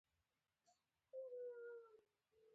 مهایورا د جینیزم بنسټ کیښود.